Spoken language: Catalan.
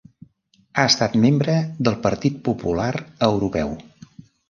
Ha estat membre del Partit Popular Europeu.